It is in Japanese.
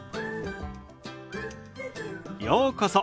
ようこそ。